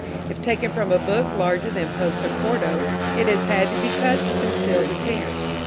If taken from a book larger than post quarto, it has had to be cut to conceal the tear.